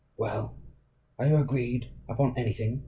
"Well, are you agreed upon anything?"